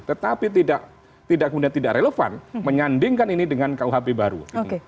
tetapi tidak relevan menyandingkan ini dengan kuhp baru